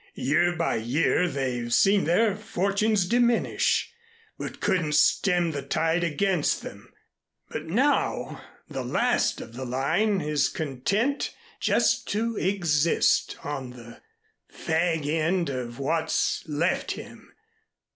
Year by year they've seen their fortunes diminish, but couldn't stem the tide against them. But now the last of the line is content just to exist on the fag end of what's left him.